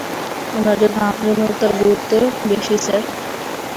উনার জন্য আমজনতার গুরুত্ব বেশি স্যার।